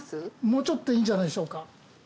もうちょっといいんじゃないでしょうか。